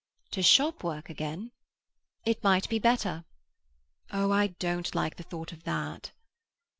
"To shop work again?" "It might be better." "Oh, I don't like the thought of that."